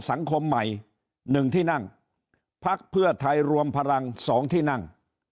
สังคมใหม่๑ที่นั่งพักเพื่อไทยรวมพลัง๒ที่นั่ง